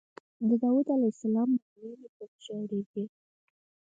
د داود علیه السلام نغمې مې په کې اورېدې.